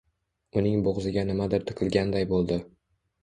Uning bo`g`ziga nimadir tiqilganday bo`ldi